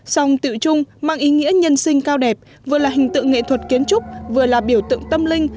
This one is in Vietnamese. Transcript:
song tự trung mang ý nghĩa nhân sinh cao đẹp vừa là hình tượng nghệ thuật kiến trúc vừa là biểu tượng tâm linh